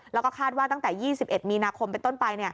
แล้วก็คาดว่าตั้งแต่๒๑มีนาคมเป็นต้นไป